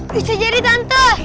bisa jadi tante